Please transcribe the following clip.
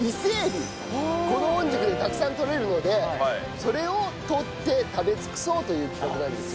この御宿でたくさんとれるのでそれをとって食べ尽くそうという企画なんですよ。